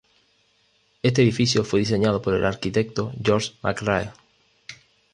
Este edificio fue diseñado por el arquitecto George McRae.